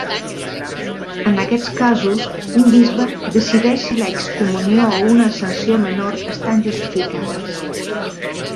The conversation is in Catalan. En aquests casos, un bisbe decideix si la excomunió o una sanció menor estan justificades.